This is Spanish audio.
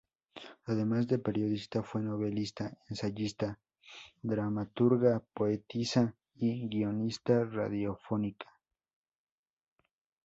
Además de periodista, fue novelista, ensayista, dramaturga, poetisa y guionista radiofónica.